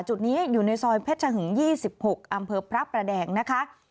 จุดนี้อยู่ในซอยเพชรชะหึง๒๖อำเภอพระประแดงนะคะ